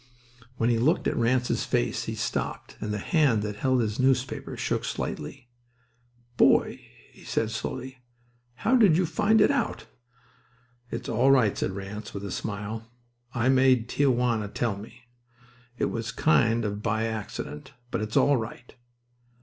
When he looked at Ranse's face he stopped, and the hand that held his newspaper shook slightly. "Boy," he said slowly, "how did you find it out?" "It's all right," said Ranse, with a smile. "I made Tia Juana tell me. It was kind of by accident, but it's all right."